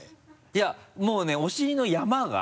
いやもうねお尻の山が。